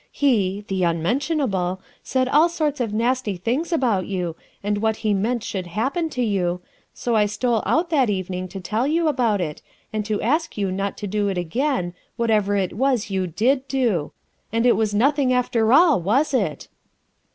He the Unmentionable said all sorts of nasty things about you and what he meant should hap pen to you, so I stole out that evening to tell you about it, and to ask you not to do it again, whatever it was you did do and it was nothing, after all, was it?"